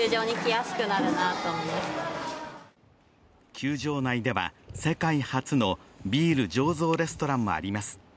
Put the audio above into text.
球場内では、世界初のビール醸造レストランもあります。